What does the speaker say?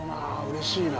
嬉しいな。